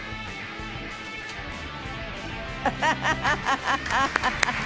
ハハハハ！